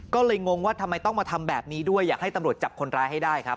ก็เลยงงว่าทำไมต้องมาทำแบบนี้ด้วยอยากให้ตำรวจจับคนร้ายให้ได้ครับ